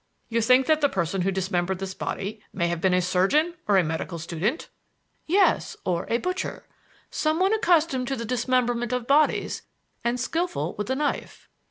"You think that the person who dismembered this body may have been a surgeon or a medical student?" "Yes; or a butcher. Some one accustomed to the dismemberment of bodies and skilful with the knife."